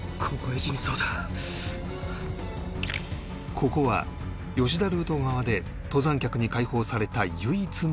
ここは吉田ルート側で登山客に開放された唯一のトイレ